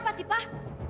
apa sih pak